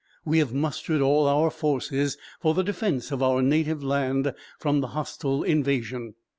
We have mustered all our forces for the defence of our native land from the hostile invasion.